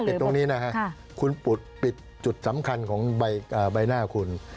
ตรงนี้นะฮะคุณปุดปิดจุดสำคัญของใบหน้าคุณ